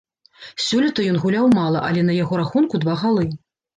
Сёлета ён гуляў мала, але на яго рахунку два галы.